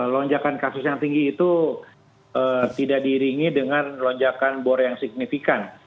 lonjakan kasus yang tinggi itu tidak diiringi dengan lonjakan bor yang signifikan